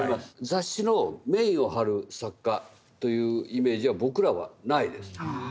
雑誌のメインを張る作家というイメージは僕らはないです。